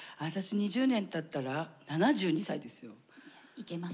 ２０年たったら７２歳ですよ。